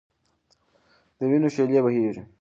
د وینو شېلې بهېږي.